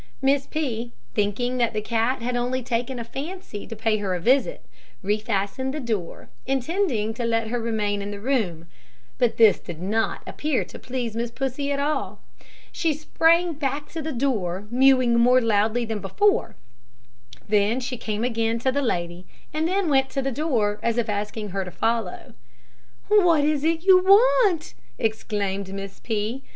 Miss P , thinking that the cat had only taken a fancy to pay her a visit, refastened the door, intending to let her remain in the room; but this did not appear to please Pussy at all. She sprang back to the door, mewing more loudly than before; then she came again to the lady, and then went to the door, as if asking her to follow. "What is it you want?" exclaimed Miss P